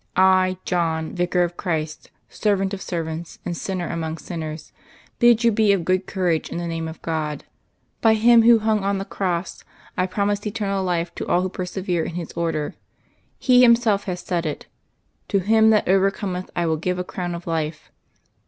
I, John, Vicar of Christ, Servant of Servants, and sinner among sinners, bid you be of good courage in the Name of God. By Him Who hung on the Cross, I promise eternal life to all who persevere in His Order. He Himself has said it. _To him that overcometh I will give a crown of life.